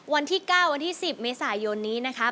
วันที่๙วันที่๑๐เมษายนนี้นะคะ